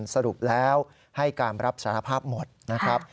สรุปแล้วให้การรับสารภาพหมดนะครับ